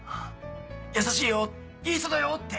優しいよいい人だよって。